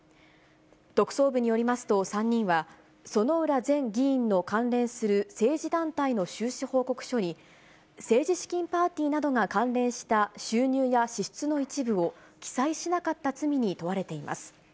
特捜部によりますと３人は、薗浦前議員の関連する政治団体の収支報告書に、政治資金パーティーなどが関連した収入や支出の一部を、記載しなかった罪に問われています。